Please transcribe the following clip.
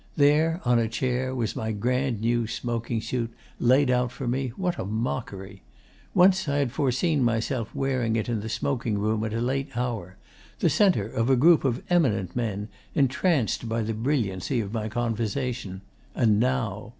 There, on a chair, was my grand new smoking suit, laid out for me what a mockery! Once I had foreseen myself wearing it in the smoking room at a late hour the centre of a group of eminent men entranced by the brilliancy of my conversation. And now